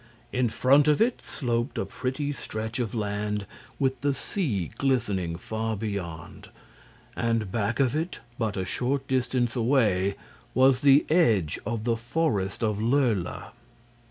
In front of it sloped a pretty stretch of land with the sea glistening far beyond; and back of it, but a short distance away, was the edge of the Forest of Lurla.